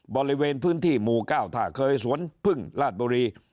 บริเวณพื้นที่หมู่๙ท่าเคยสวนพึ่งราชบุรี